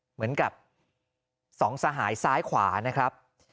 เหมือนกับสองสหายซ้ายขวานะครับ